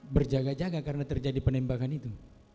berjaga jaga karena terjadi penembakan itu